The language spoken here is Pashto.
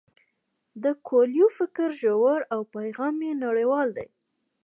د کویلیو فکر ژور او پیغام یې نړیوال دی.